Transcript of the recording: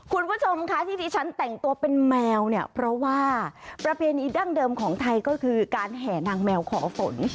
คุณผู้ชมคะที่ที่ฉันแต่งตัวเป็นแมวเนี่ยเพราะว่าประเพณีดั้งเดิมของไทยก็คือการแห่นางแมวขอฝน